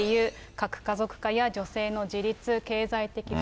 核家族化や女性の自立、経済的な自立。